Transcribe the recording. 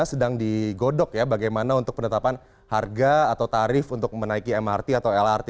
sedang digodok ya bagaimana untuk penetapan harga atau tarif untuk menaiki mrt atau lrt